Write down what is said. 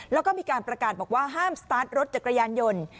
แล้วก็มีการประกาศบอกว่าห้ามสตาร์ทรถจักรยานยนต์